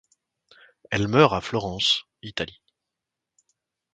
Elle meurt à Florence, Italie.